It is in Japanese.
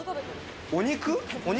お肉？